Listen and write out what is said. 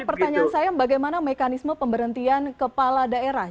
pertanyaan saya bagaimana mekanisme pemberhentian kepala daerah